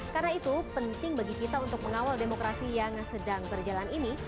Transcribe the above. karena itu penting bagi kita untuk mengawal demokrasi yang sedang berjalan ini